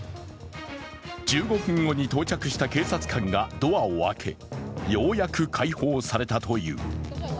１５分後に到着した警察官がドアを開け、ようやく解放されたという。